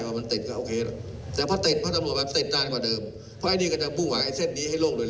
ก็เหมือนกันไปคิดมาที่ระบบอาหารจรประจอน